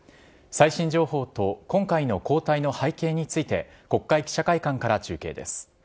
最新情報と今回の交代の背景について、国会記者会館から中継です。